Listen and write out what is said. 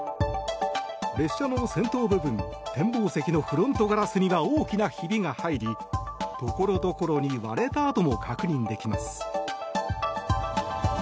列車の先頭部分展望席のフロントガラスには大きなひびが入り所々に割れた跡も確認できます。